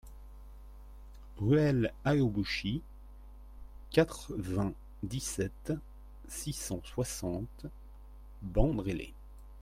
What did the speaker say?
Ruelle Haoibouchie, quatre-vingt-dix-sept, six cent soixante Bandrélé